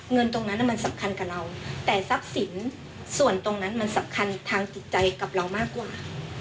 เงินตรงนั้นมันสำคัญกับเราแต่ทรัพย์สินส่วนตรงนั้นมันสำคัญทางจิตใจกับเรามากกว่า